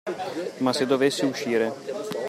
Ma se dovessi uscire.